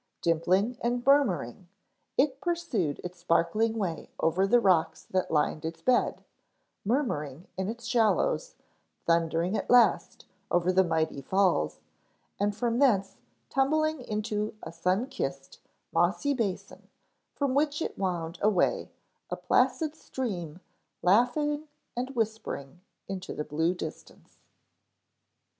Dimpling and murmuring, it pursued its sparkling way over the rocks that lined its bed, murmuring in its shallows, thundering at last over the mighty Falls, and from thence tumbling into a sun kissed, mossy basin from which it wound away, a placid stream laughing and whispering into the blue distance.